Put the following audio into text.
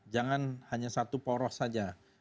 jangan hanya satu poros saja